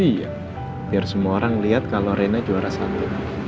iya biar semua orang lihat kalau rena juara satu